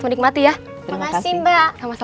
terima kasih mbak